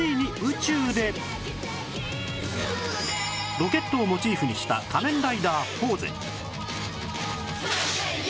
ロケットをモチーフにした『仮面ライダーフォーゼ』